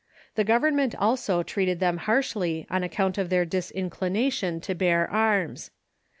The government also treated them harshly on account of their disinclination to bear arms.